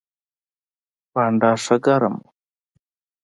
بانډار ښه ګرم و.